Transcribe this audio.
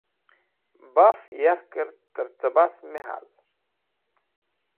Baf yarkẽr tẽrcẽbas me hal.